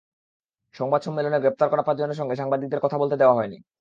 সংবাদ সম্মেলনে গ্রেপ্তার করা পাঁচজনের সঙ্গে সাংবাদিকদের কথা বলতে দেওয়া হয়নি।